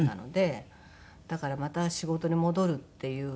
だからまた仕事に戻るっていう戸惑いもあり。